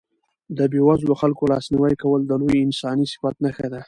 د بېوزلو خلکو لاسنیوی کول د لوی انساني صفت نښه ده.